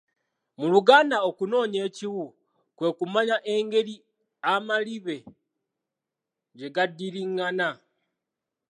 Mu luganda okunoonya ekiwu kwe kumanya engeri amalibe gye gaddiriŋŋana.